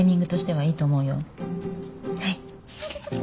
はい。